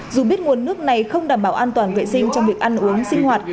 dù biết nguồn nước này không đảm bảo an toàn vệ sinh trong việc ăn uống sinh hoạt